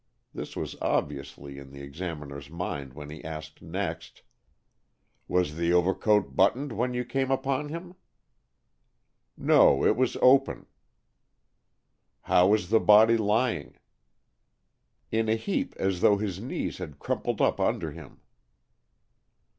This was obviously in the examiner's mind when he asked next, "Was the overcoat buttoned when you came upon him?" "No, it was open." "How was the body lying?" "In a heap, as though his knees had crumpled up under him."